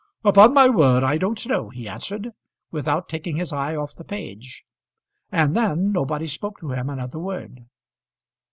"Upon my word I don't know," he answered, without taking his eye off the page. And then nobody spoke to him another word.